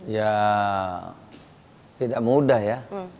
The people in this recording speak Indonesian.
ya tidak mudah ya